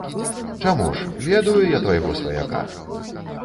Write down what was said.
Чаму ж, ведаю я твайго сваяка.